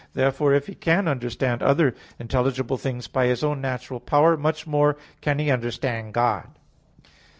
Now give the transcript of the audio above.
Therefore, if he can understand other intelligible things by his own natural power, much more can he understand God.